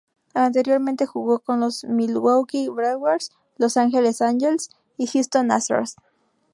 Anteriormente jugó con los Milwaukee Brewers, Los Angeles Angels y Houston Astros.